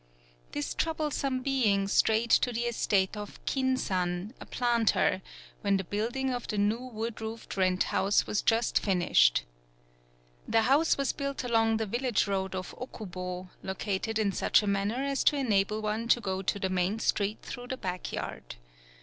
This troublesome being strayed to the estate of Kin san, a planter, when the building of the new wood roofed rent house was just finished. The house was built along the village road of Okubo, located in such a manner as to enable one to go to the main street through the back yard.